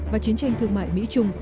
và chiến tranh thương mại mỹ trung